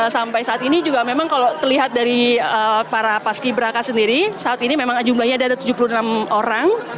sampai saat ini juga memang kalau terlihat dari para paski beraka sendiri saat ini memang jumlahnya ada tujuh puluh enam orang